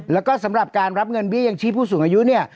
แล้วก็สำหรับการรับเงินเบี้ยยังชีพผู้สูงอายุเนี่ย